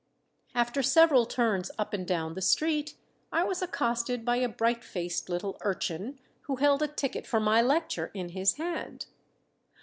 After several turns up and down the street I was accosted by a bright faced little urchin who held a ticket for my lecture in his hand.